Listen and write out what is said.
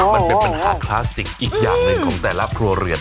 มันเป็นปัญหาคลาสสิกอีกอย่างหนึ่งของแต่ละครัวเรือน